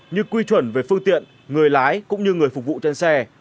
như quy chuẩn về phương tiện người lái cũng như người phục vụ trên xe